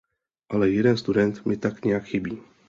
Ale jeden student mi tak nějak chybí.